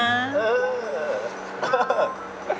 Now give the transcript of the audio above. เออเออ